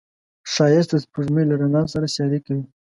ښایست د سپوږمۍ له رڼا سره سیالي کوي